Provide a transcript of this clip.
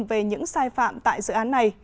về những sai phạm tại dự án này